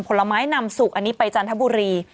ผลไม้นำสุกอันนี้ไปจันทบุรี